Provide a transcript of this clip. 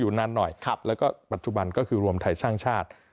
นานหน่อยแล้วก็ปัจจุบันก็คือรวมไทยสร้างชาติ